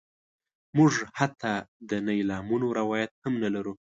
موږ حتی د نیلامونو روایت هم نه لرو.